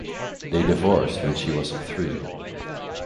They divorced when she was three.